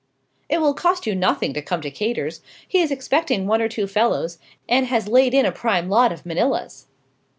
"It will cost you nothing to come to Cator's. He is expecting one or two fellows, and has laid in a prime lot of Manillas."